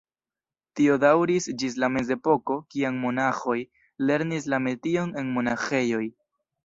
Tio daŭris ĝis la Mezepoko, kiam monaĥoj lernis la metion en monaĥejoj.